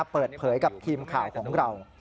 เปิดเผยกับทีมข่าวของเรา